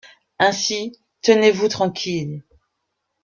Ainsi, tenez-vous tranquille